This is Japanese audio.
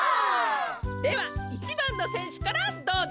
では１ばんのせんしゅからどうぞ！